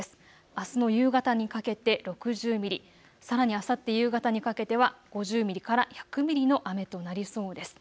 あすの夕方にかけて６０ミリ、さらにあさって夕方にかけては５０ミリから１００ミリの雨となりそうです。